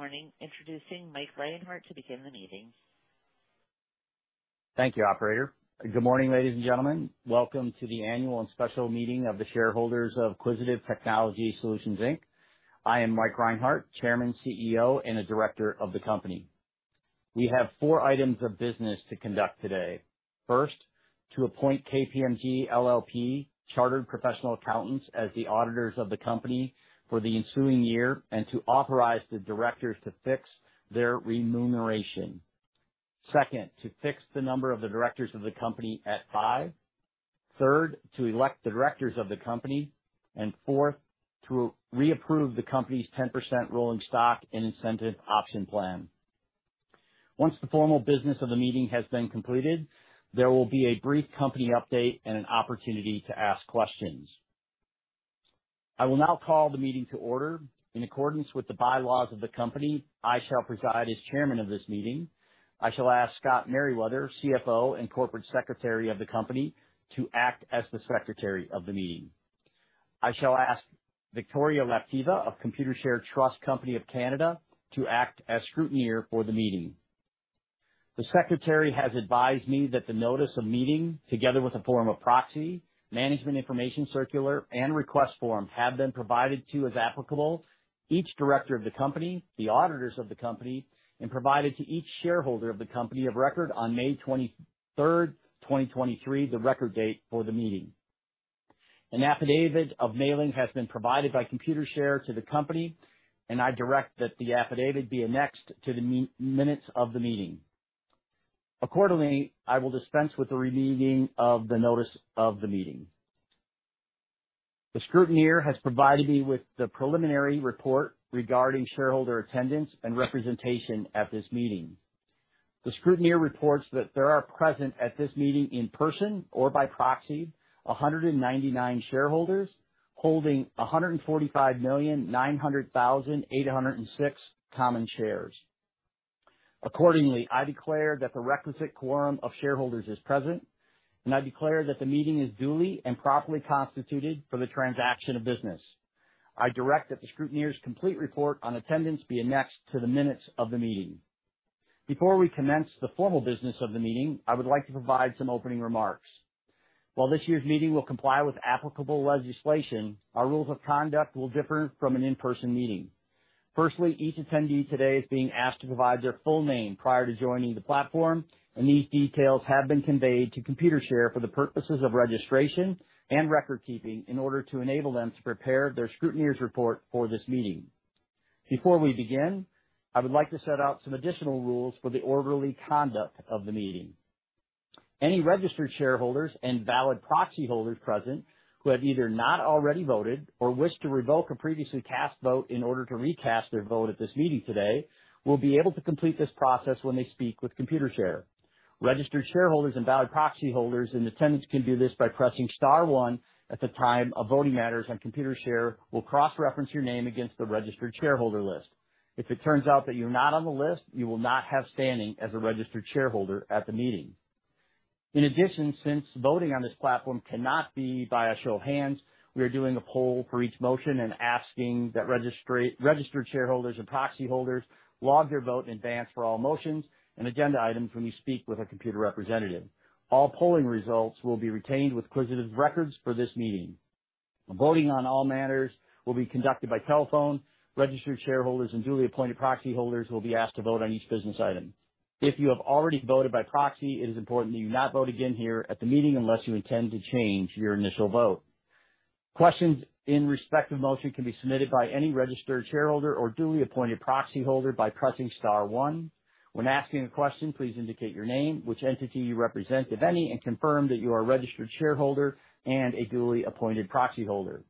Morning. Introducing Mike Reinhart to begin the meeting. Thank you, operator. Good morning, ladies and gentlemen. Welcome to the annual and special meeting of the shareholders of Quisitive Technology Solutions, Inc. I am Mike Reinhart, Chairman, CEO, and a Director of the company. We have four items of business to conduct today. First, to appoint KPMG LLP Chartered Professional Accountants as the auditors of the company for the ensuing year and to authorize the Directors to fix their remuneration. Second, to fix the number of the Directors of the company at five. Third, to elect the Directors of the company. Fourth, to reapprove the company's 10% rolling stock and incentive option plan. Once the formal business of the meeting has been completed, there will be a brief company update and an opportunity to ask questions. I will now call the meeting to order. In accordance with the bylaws of the company, I shall preside as chairman of this meeting. I shall ask Scott Meriwether, CFO and Corporate Secretary of the company, to act as the secretary of the meeting. I shall ask Viktoria Lapteva of Computershare Trust Company of Canada to act as scrutineer for the meeting. The secretary has advised me that the notice of meeting, together with a form of proxy, management information circular, and request form, have been provided to, as applicable, each director of the company, the auditors of the company, and provided to each shareholder of the company of record on May 23rd, 2023, the record date for the meeting. An affidavit of mailing has been provided by Computershare to the company, and I direct that the affidavit be annexed to the minutes of the meeting. Accordingly, I will dispense with the reading of the notice of the meeting. The scrutineer has provided me with the preliminary report regarding shareholder attendance and representation at this meeting. The scrutineer reports that there are present at this meeting, in person or by proxy, 199 shareholders holding 145,900,806 common shares. Accordingly, I declare that the requisite quorum of shareholders is present, and I declare that the meeting is duly and properly constituted for the transaction of business. I direct that the scrutineer's complete report on attendance be annexed to the minutes of the meeting. Before we commence the formal business of the meeting, I would like to provide some opening remarks. While this year's meeting will comply with applicable legislation, our rules of conduct will differ from an in-person meeting. Firstly, each attendee today is being asked to provide their full name prior to joining the platform, and these details have been conveyed to Computershare for the purposes of registration and record keeping in order to enable them to prepare their scrutineer's report for this meeting. Before we begin, I would like to set out some additional rules for the orderly conduct of the meeting. Any registered shareholders and valid proxy holders present who have either not already voted or wish to revoke a previously cast vote in order to recast their vote at this meeting today will be able to complete this process when they speak with Computershare. Registered shareholders and valid proxy holders in attendance can do this by pressing star one at the time of voting matters, and Computershare will cross-reference your name against the registered shareholder list. If it turns out that you're not on the list, you will not have standing as a registered shareholder at the meeting. In addition, since voting on this platform cannot be by a show of hands, we are doing a poll for each motion and asking that registered shareholders and proxy holders log their vote in advance for all motions and agenda items when you speak with a Computershare representative. All polling results will be retained with Quisitive's records for this meeting. Voting on all matters will be conducted by telephone. Registered shareholders and duly appointed proxy holders will be asked to vote on each business item. If you have already voted by proxy, it is important that you not vote again here at the meeting unless you intend to change your initial vote. Questions in respect of motion can be submitted by any registered shareholder or duly appointed proxy holder by pressing star one. When asking a question, please indicate your name, which entity you represent, if any, and confirm that you are a registered shareholder and a duly appointed proxy holder.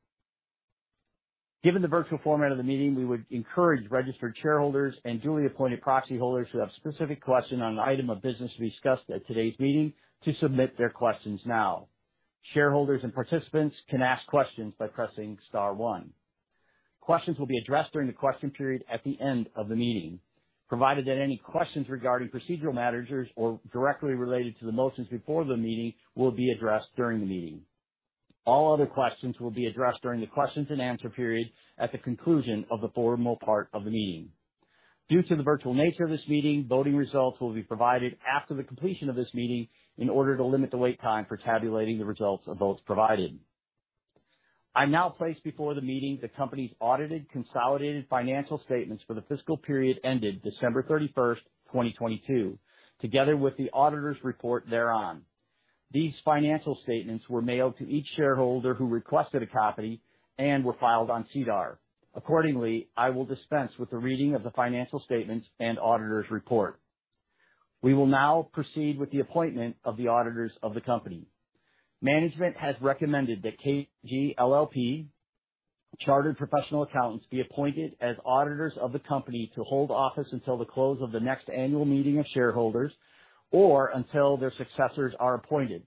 Given the virtual format of the meeting, we would encourage registered shareholders and duly appointed proxy holders who have specific questions on an item of business discussed at today's meeting to submit their questions now. Shareholders and participants can ask questions by pressing star one. Questions will be addressed during the question period at the end of the meeting, provided that any questions regarding procedural matters or directly related to the motions before the meeting will be addressed during the meeting. All other questions will be addressed during the questions and answer period at the conclusion of the formal part of the meeting. Due to the virtual nature of this meeting, voting results will be provided after the completion of this meeting in order to limit the wait time for tabulating the results of votes provided. I now place before the meeting the company's audited consolidated financial statements for the fiscal period ended December 31st, 2022, together with the auditor's report thereon. These financial statements were mailed to each shareholder who requested a copy and were filed on SEDAR. Accordingly, I will dispense with the reading of the financial statements and auditor's report. We will now proceed with the appointment of the auditors of the company. Management has recommended that KPMG LLP Chartered Professional Accountants be appointed as auditors of the company to hold office until the close of the next annual meeting of shareholders, or until their successors are appointed,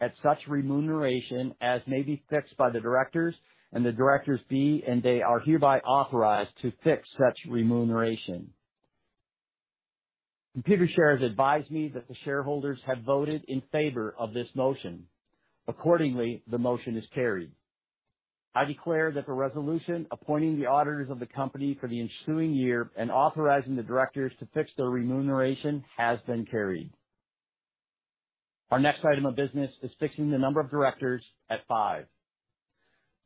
at such remuneration as may be fixed by the directors and the directors be, and they are hereby authorized to fix such remuneration. Computershare has advised me that the shareholders have voted in favor of this motion. Accordingly, the motion is carried. I declare that the resolution appointing the auditors of the company for the ensuing year and authorizing the directors to fix their remuneration has been carried. Our next item of business is fixing the number of directors at five.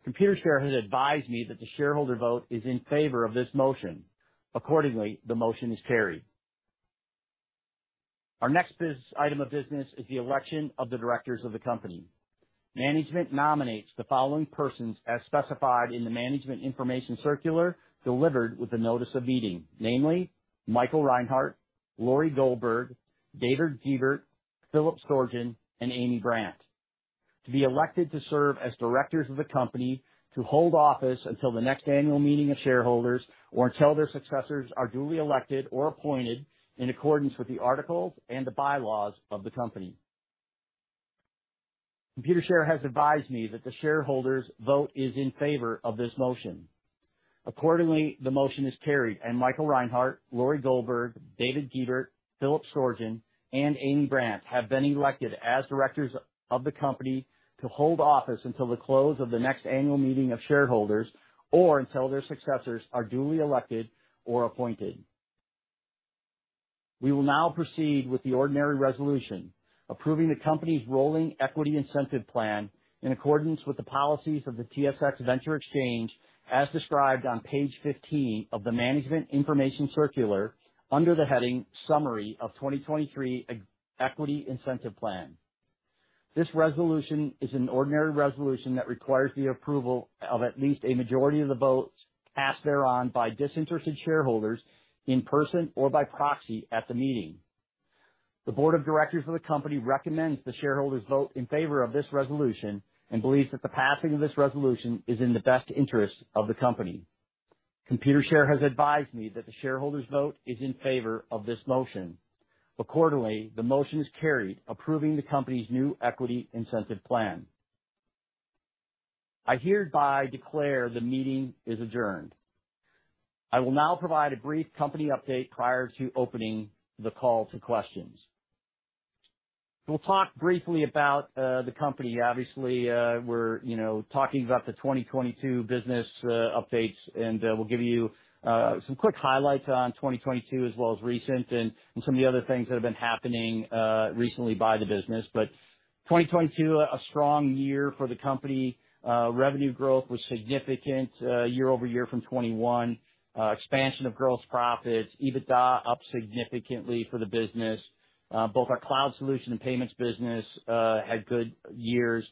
Computershare has advised me that the shareholder vote is in favor of this motion. Accordingly, the motion is carried. Our next item of business is the election of the directors of the company. Management nominates the following persons as specified in the management information circular delivered with the notice of meeting, namely Michael Reinhart, Laurie Goldberg, David Guebert, Philip Sorgen, and Amy Brandt, to be elected to serve as directors of the company to hold office until the next annual meeting of shareholders or until their successors are duly elected or appointed in accordance with the articles and the bylaws of the company. Computershare has advised me that the shareholders' vote is in favor of this motion. Accordingly, the motion is carried, and Michael Reinhart, Laurie Goldberg, David Guebert, Philip Sorgen, and Amy Brandt have been elected as directors of the company to hold office until the close of the next annual meeting of shareholders or until their successors are duly elected or appointed. We will now proceed with the ordinary resolution approving the company's rolling equity incentive plan in accordance with the policies of the TSX Venture Exchange, as described on page 15 of the management information circular under the heading Summary of 2023 Equity Incentive Plan. This resolution is an ordinary resolution that requires the approval of at least a majority of the votes cast thereon by disinterested shareholders in person or by proxy at the meeting. The board of directors of the company recommends the shareholders vote in favor of this resolution and believes that the passing of this resolution is in the best interest of the company. Computershare has advised me that the shareholders' vote is in favor of this motion. Accordingly, the motion is carried, approving the company's new equity incentive plan. I hereby declare the meeting is adjourned. I will now provide a brief company update prior to opening the call to questions. We'll talk briefly about the company. Obviously, we're, you know, talking about the 2022 business updates, and we'll give you some quick highlights on 2022 as well as recent and some of the other things that have been happening recently by the business. 2022, a strong year for the company. Revenue growth was significant year over year from 2021. Expansion of gross profits. EBITDA up significantly for the business. Both our cloud solution and payments business had good years.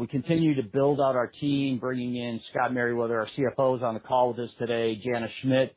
We continue to build out our team, bringing in Scott Meriwether, our CFO, who's on the call with us today. Jana Schmidt,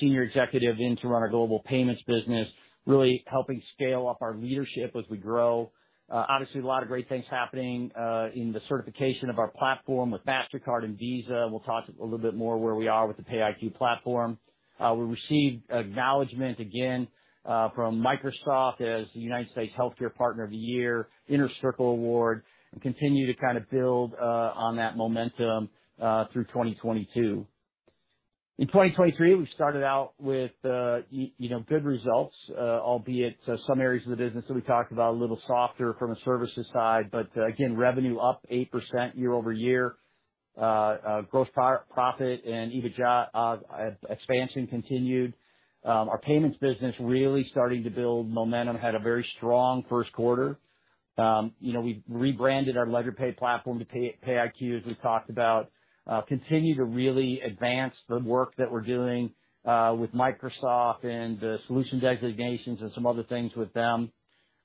senior executive in to run our global payments business, really helping scale up our leadership as we grow. Obviously a lot of great things happening in the certification of our platform with Mastercard and Visa. We'll talk a little bit more where we are with the PayiQ platform. We received acknowledgement again from Microsoft as the United States Healthcare Partner of the Year, Inner Circle Award, and continue to kind of build on that momentum through 2022. In 2023, we started out with, you know, good results, albeit some areas of the business that we talked about a little softer from a services side, but again, revenue up 8% year-over-year. Gross profit and EBITDA expansion continued. Our payments business really starting to build momentum, had a very strong first quarter. You know, we've rebranded our LedgerPay platform to PayiQ, as we've talked about. Continue to really advance the work that we're doing with Microsoft and the solution designations and some other things with them.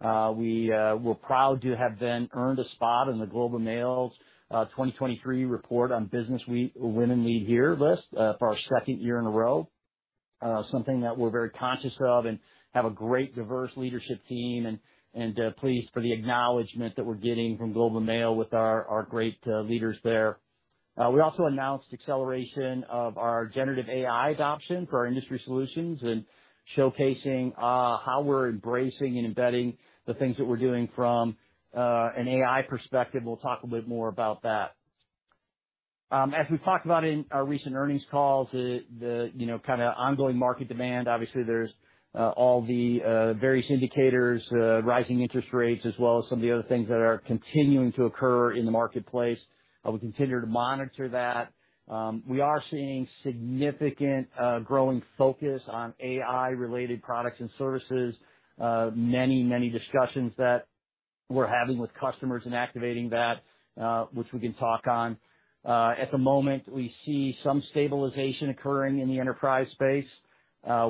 We're proud to have been earned a spot in The Globe and Mail's 2023 report on Business Women Lead Here list for our second year in a row. Something that we're very conscious of and have a great diverse leadership team and pleased for the acknowledgement that we're getting from The Globe and Mail with our great leaders there. We also announced acceleration of our generative AI adoption for our industry solutions and showcasing how we're embracing and embedding the things that we're doing from an AI perspective. We'll talk a bit more about that. As we've talked about in our recent earnings call, the, you know, kind of ongoing market demand, obviously there's all the various indicators, rising interest rates, as well as some of the other things that are continuing to occur in the marketplace. We continue to monitor that. We are seeing significant growing focus on AI-related products and services. Many discussions that we're having with customers in activating that, which we can talk on. At the moment, we see some stabilization occurring in the enterprise space,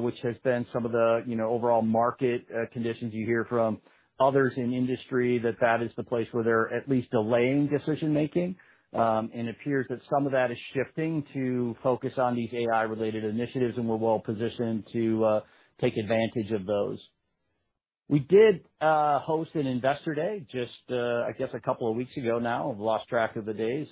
which has been some of the, you know, overall market conditions you hear from others in industry that that is the place where they're at least delaying decision-making. Appears that some of that is shifting to focus on these AI-related initiatives, and we're well positioned to take advantage of those. We did host an Investor Day just I guess a couple of weeks ago now. I've lost track of the days.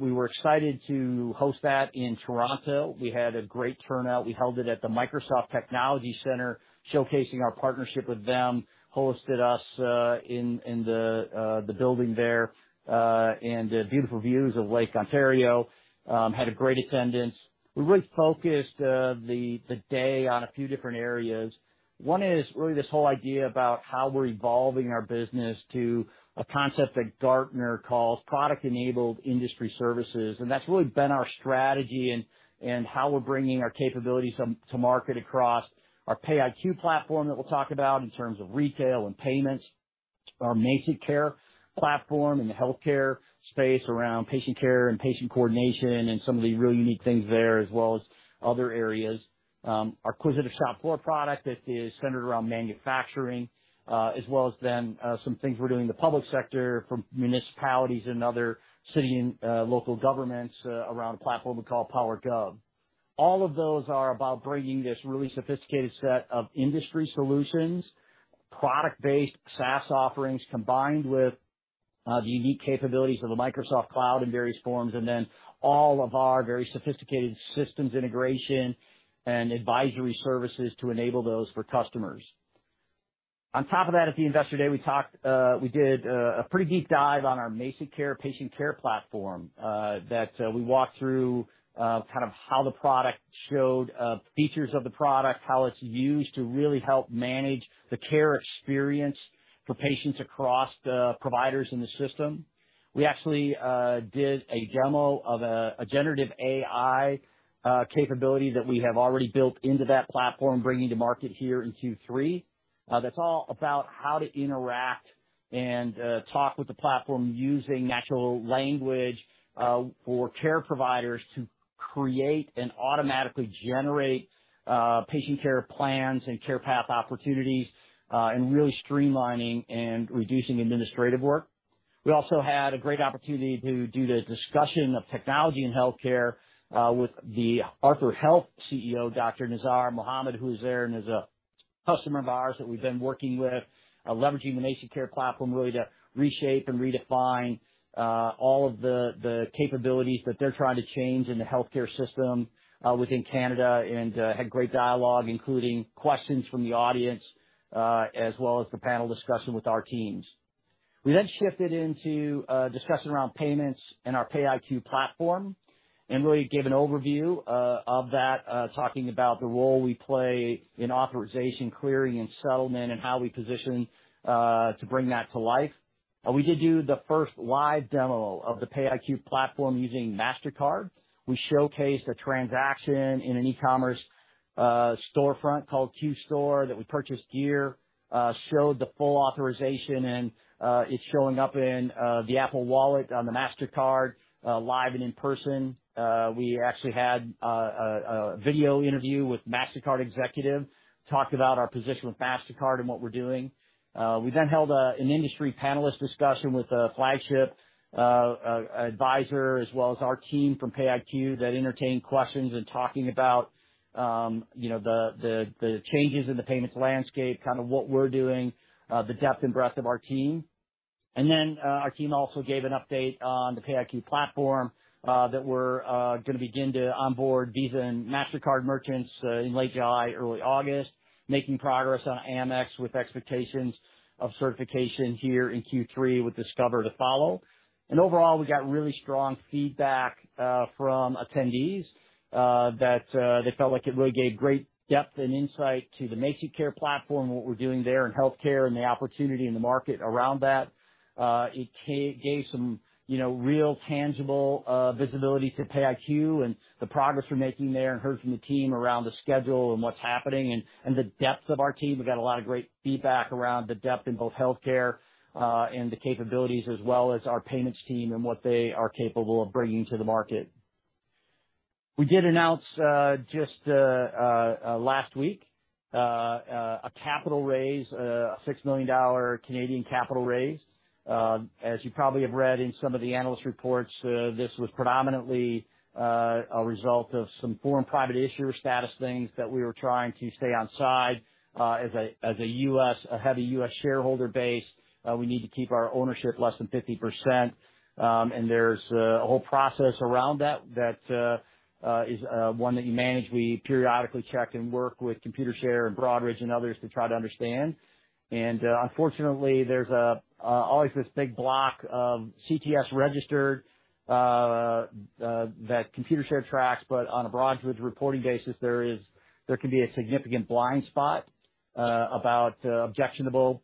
We were excited to host that in Toronto. We had a great turnout. We held it at the Microsoft Technology Center, showcasing our partnership with them. Hosted us in the building there, and beautiful views of Lake Ontario. Had a great attendance. We really focused the day on a few different areas. One is really this whole idea about how we're evolving our business to a concept that Gartner calls product-enabled industry services. That's really been our strategy in how we're bringing our capabilities to market across our PayiQ platform that we'll talk about in terms of retail and payments, our MazikCare platform in the healthcare space around patient care and patient coordination, and some of the really unique things there, as well as other areas. Our Quisitive ShopFloor product that is centered around manufacturing, as well as then, some things we're doing in the public sector from municipalities and other city and, local governments, around a platform we call PowerGov. All of those are about bringing this really sophisticated set of industry solutions, product-based SaaS offerings, combined with, the unique capabilities of the Microsoft Cloud in various forms, and then all of our very sophisticated systems integration and advisory services to enable those for customers. On top of that, at the Investor Day, we talked, we did a pretty deep dive on our MazikCare patient care platform that we walked through kind of how the product showed features of the product, how it's used to really help manage the care experience for patients across the providers in the system. We actually did a demo of a generative AI capability that we have already built into that platform, bringing to market here in Q3. That's all about how to interact and talk with the platform using natural language for care providers to create and automatically generate patient care plans and care path opportunities and really streamlining and reducing administrative work. We also had a great opportunity to do the discussion of technology in healthcare with the Arthur Health CEO, Dr. Nizar Mahomed who was there and is a customer of ours that we've been working with, leveraging the MazikCare platform really to reshape and redefine all of the capabilities that they're trying to change in the healthcare system within Canada. Had great dialogue, including questions from the audience, as well as the panel discussion with our teams. We then shifted into discussing around payments and our PayiQ platform and really gave an overview of that, talking about the role we play in authorization, clearing, and settlement, and how we position to bring that to life. We did do the first live demo of the PayiQ platform using Mastercard. We showcased a transaction in an e-commerce storefront called Q Store that we purchased gear, showed the full authorization and it showing up in the Apple Wallet on the Mastercard, live and in person. We actually had a video interview with Mastercard executive, talked about our position with Mastercard and what we're doing. We then held an industry panelist discussion with a flagship advisor, as well as our team from PayiQ that entertained questions in talking about, you know, the changes in the payments landscape, kind of what we're doing, the depth and breadth of our team. Our team also gave an update on the PayiQ platform that we're gonna begin to onboard Visa and Mastercard merchants in late July, early August, making progress on Amex with expectations of certification here in Q3 with Discover to follow. Overall, we got really strong feedback from attendees that they felt like it really gave great depth and insight to the MazikCare platform, what we're doing there in healthcare, and the opportunity in the market around that. It gave some, you know, real tangible visibility to PayiQ and the progress we're making there and heard from the team around the schedule and what's happening and the depth of our team. We got a lot of great feedback around the depth in both healthcare and the capabilities as well as our payments team and what they are capable of bringing to the market. We did announce just last week a capital raise, a 6 million Canadian dollars capital raise. As you probably have read in some of the analyst reports, this was predominantly a result of some Foreign Private Issuer status things that we were trying to stay on side. As a, as a U.S., a heavy U.S. shareholder base, we need to keep our ownership less than 50%. There's a whole process around that that is one that you manage. We periodically check and work with Computershare and Broadridge and others to try to understand. Unfortunately, there's always this big block of CDS registered that Computershare tracks, on a Broadridge reporting basis, there can be a significant blind spot about objectionable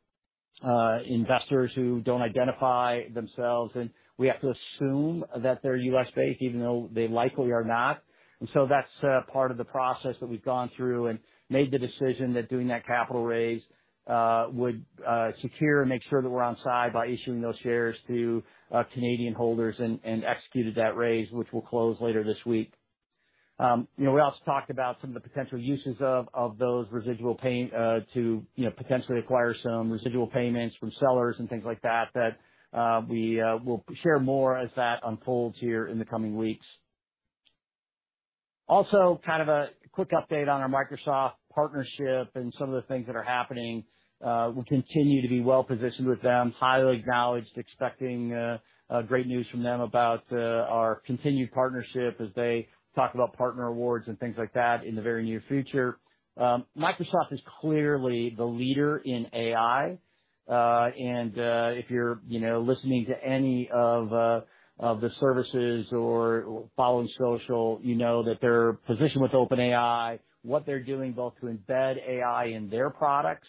investors who don't identify themselves, and we have to assume that they're U.S.-based even though they likely are not. That's part of the process that we've gone through and made the decision that doing that capital raise would secure and make sure that we're on side by issuing those shares to Canadian holders and executed that raise, which will close later this week. You know, we also talked about some of the potential uses of those residual, to, you know, potentially acquire some residual payments from sellers and things like that we'll share more as that unfolds here in the coming weeks. Also, kind of a quick update on our Microsoft partnership and some of the things that are happening. We continue to be well-positioned with them, highly acknowledged, expecting great news from them about our continued partnership as they talk about partner awards and things like that in the very near future. Microsoft is clearly the leader in AI. If you're, you know, listening to any of the services or following social, you know that their position with OpenAI, what they're doing both to embed AI in their products,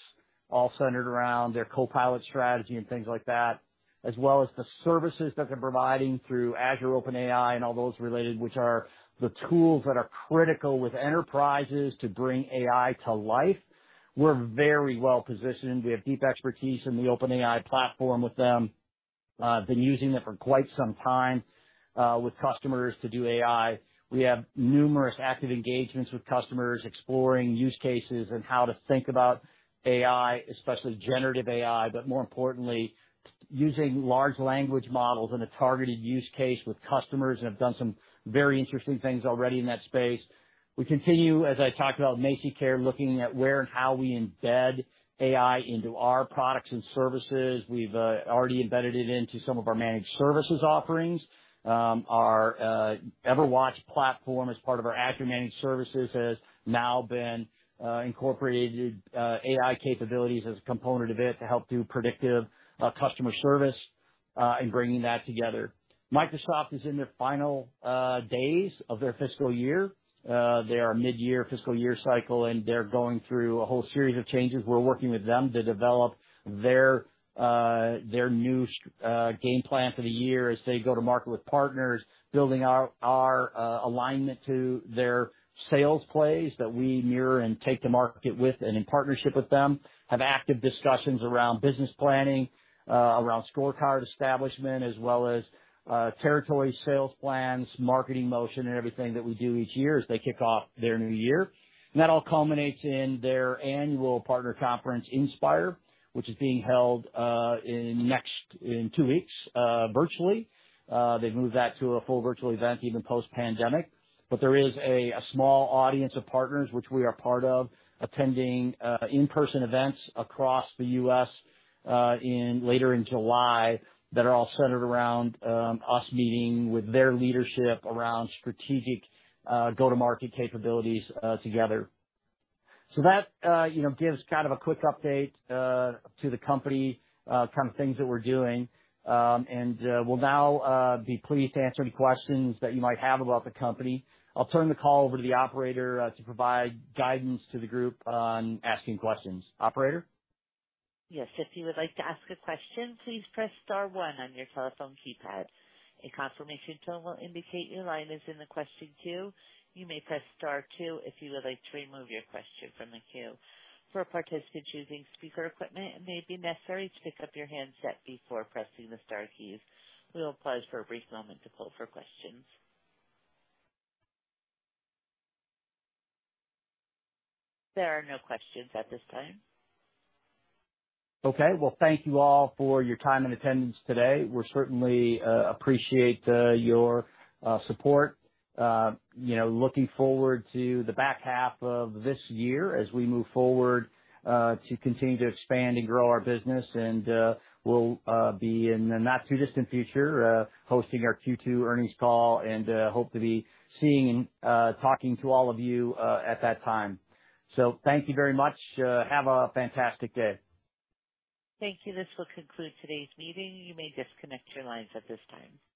all centered around their Copilot strategy and things like that, as well as the services that they're providing through Azure OpenAI and all those related, which are the tools that are critical with enterprises to bring AI to life. We're very well-positioned. We have deep expertise in the OpenAI platform with them, been using it for quite some time, with customers to do AI. We have numerous active engagements with customers, exploring use cases and how to think about AI, especially generative AI, but more importantly, using large language models in a targeted use case with customers, and have done some very interesting things already in that space. We continue, as I talked about MazikCare, looking at where and how we embed AI into our products and services. We've already embedded it into some of our managed services offerings. Our EverWatch platform as part of our Azure managed services has now been incorporated AI capabilities as a component of it to help do predictive customer service in bringing that together. Microsoft is in their final days of their fiscal year. They are midyear fiscal year cycle, and they're going through a whole series of changes. We're working with them to develop their new game plan for the year as they go to market with partners, building out our alignment to their sales plays that we mirror and take to market with and in partnership with them. Have active discussions around business planning, around scorecard establishment, as well as territory sales plans, marketing motion, and everything that we do each year as they kick off their new year. That all culminates in their annual partner conference, Inspire, which is being held in two weeks virtually. They've moved that to a full virtual event even post-pandemic. There is a small audience of partners which we are part of attending in-person events across the U.S. in later in July, that are all centered around us meeting with their leadership around strategic go-to-market capabilities together. That, you know, gives kind of a quick update to the company, kind of things that we're doing. We'll now be pleased to answer any questions that you might have about the company. I'll turn the call over to the operator, to provide guidance to the group on asking questions. Operator? Yes. If you would like to ask a question, please press star one on your telephone keypad. A confirmation tone will indicate your line is in the question queue. You may press star two if you would like to remove your question from the queue. For participants using speaker equipment, it may be necessary to pick up your handset before pressing the star keys. We will pause for a brief moment to poll for questions. There are no questions at this time. Okay. Well, thank you all for your time and attendance today. We certainly appreciate your support. You know, looking forward to the back half of this year as we move forward to continue to expand and grow our business, and we'll be in the not too distant future hosting our Q2 earnings call and hope to be seeing, talking to all of you at that time. Thank you very much. Have a fantastic day. Thank you. This will conclude today's meeting. You may disconnect your lines at this time.